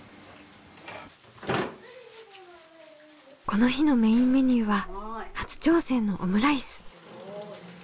この日のメインメニューは初挑戦のオムライス。